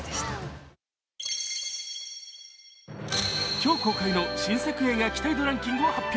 今日公開の新作映画期待度ランキングを発表。